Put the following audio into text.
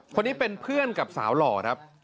คนนี้เป็นเพื่อนกับสาวหล่อครับ